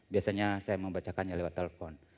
biasanya saya membacakannya lewat telepon